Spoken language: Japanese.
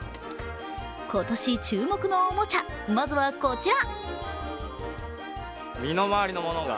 今年注目のおもちゃ、まずはこちら。